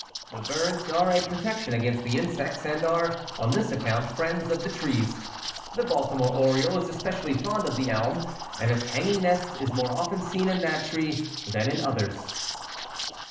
The birds are a protection against the insects, and are, on this account, friends of the trees. The Bal timore oriole is especially fond of the elm, and its hanging nest is more often seen in that tree than in others.